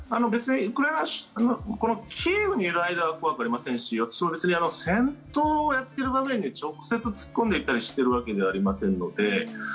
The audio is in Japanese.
別にキーウにいる間は怖くありませんし私も別に戦闘をやっている場面に直接突っ込んでいったりしているわけではありませんので。